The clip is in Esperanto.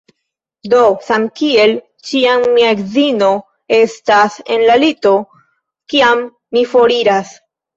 Do, samkiel ĉiam mia edzino estas en la lito, kiam mi foriras